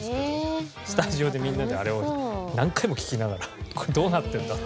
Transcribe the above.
スタジオでみんなであれを何回も聴きながら「これどうなってんだ？」